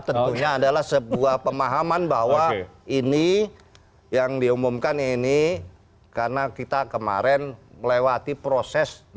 tentunya adalah sebuah pemahaman bahwa ini yang diumumkan ini karena kita kemarin melewati proses